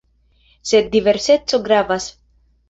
Sed diverseco gravas.